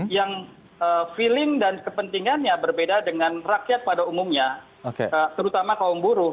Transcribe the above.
yang feeling dan kepentingannya berbeda dengan rakyat pada umumnya terutama kaum buruh